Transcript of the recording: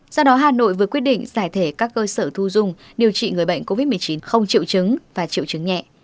do đó hà nội vừa quyết định giải thể các cơ sở thu dung điều trị người bệnh covid một mươi chín không triệu chứng và triệu chứng nhẹ